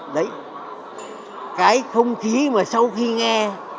đấy cái không khí mà sau khi nghe